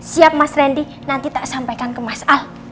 siap mas randy nanti tak sampaikan ke mas al